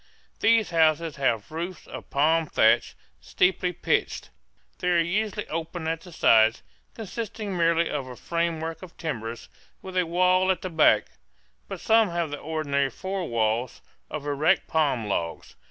These houses have roofs of palm thatch, steeply pitched. They are usually open at the sides, consisting merely of a framework of timbers, with a wall at the back; but some have the ordinary four walls, of erect palm logs.